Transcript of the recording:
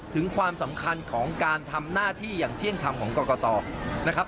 ถึงความสำคัญของการทำหน้าที่อย่างเที่ยงธรรมของกรกตนะครับ